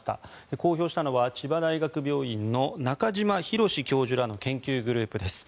公表したのは千葉大学病院の中島裕史教授らの研究グループです。